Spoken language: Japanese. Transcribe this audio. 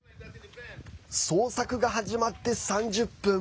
捜索が始まって３０分。